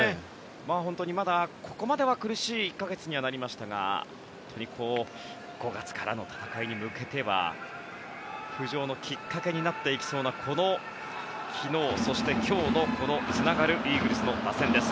まだここまでは苦しい１か月になりましたが５月からの戦いに向けては浮上のきっかけになっていきそうなこの昨日、そして今日のつながるイーグルスの打線です。